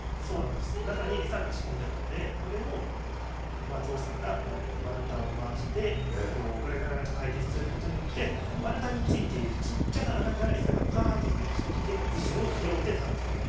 中にエサが仕込んであるのでこれをゾウさんが丸太を回してぐるぐるっと回転させることによって丸太についているちっちゃな穴からエサがパーッと飛び出してきてそれを拾って食べてくれる。